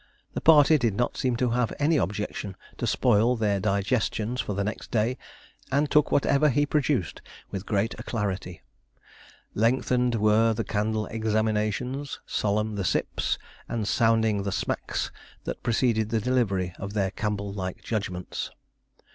The party did not seem to have any objection to spoil their digestions for the next day, and took whatever he produced with great alacrity. Lengthened were the candle examinations, solemn the sips, and sounding the smacks that preceded the delivery of their Campbell like judgements.